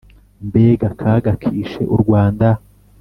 mbega akaga kishe u rwanda